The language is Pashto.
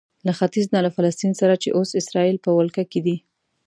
له ختیځ نه له فلسطین سره چې اوس اسراییل په ولکه کې دی.